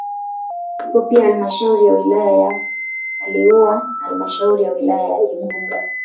Ipo pia halmashauri ya wilaya ya Kaliua na halmashauri ya wilaya ya Igunga